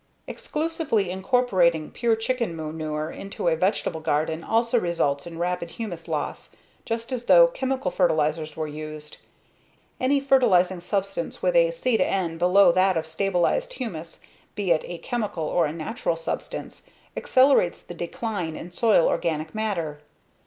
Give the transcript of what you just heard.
Exclusively incorporating pure chicken manure into a vegetable garden also results in rapid humus loss, just as though chemical fertilizers were used. Any fertilizing substance with a C/N below that of stabilized humus, be it a chemical or a natural substance, accelerates the decline in soil organic matter.